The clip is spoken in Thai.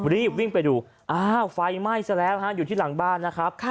รีบวิ่งไปดูอ้าวไฟไหม้ซะแล้วฮะอยู่ที่หลังบ้านนะครับ